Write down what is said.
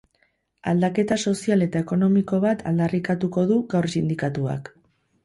Aldaketa sozial eta ekonomiko bat aldarrikatuko du gaur sindikatuak.